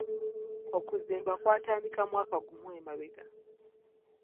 Okuzimba kwatandika mwaka gumu emabega.